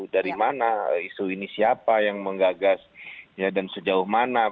dari mana isu ini siapa yang menggagas dan sejauh mana